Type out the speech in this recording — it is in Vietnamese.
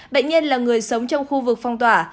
bệnh nhân là người sống trong khu vực phong tỏa